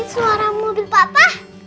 ini suara mobil papa